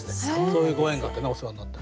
そういうご縁があってお世話になってます。